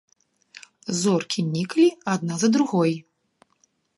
Зоркі ніклі адна за другой.